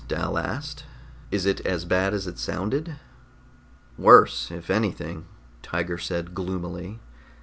Dal asked. "Is it as bad as it sounded?" "Worse, if anything," Tiger said gloomily.